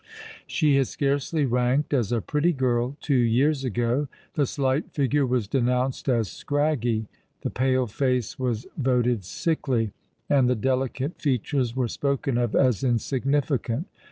She had scarcely ranked as a pretty girl two years ago. The slight figure was denounced as scraggy ; the pale face was voted sickly ; and the delicate features were spoken of as in significant.